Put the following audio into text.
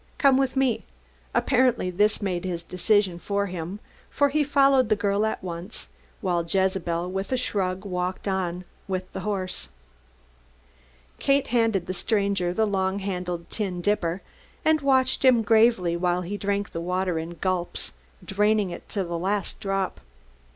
Come with me." Apparently this made his decision for him, for he followed the girl at once, while Jezebel with a shrug walked on with the horse. Kate handed the stranger the long handled tin dipper and watched him gravely while he drank the water in gulps, draining it to the last drop.